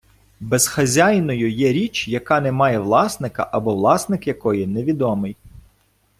Безхазяйною є річ, яка не має власника або власник якої невідомий.